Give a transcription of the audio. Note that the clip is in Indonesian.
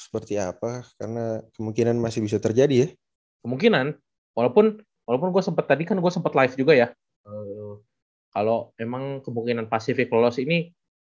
pertandingan pasifik lolos ini